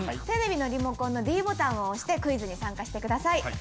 テレビのリモコンのｄボタンを押してクイズに参加してください。